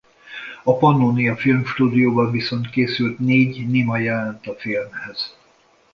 A Pannónia Filmstúdióban viszont készült négy néma jelenet a filmhez.